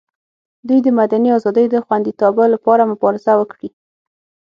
دوی د مدني ازادیو د خوندیتابه لپاره مبارزه وکړي.